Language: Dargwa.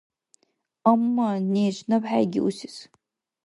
Амма, неш, наб хӀейги усес.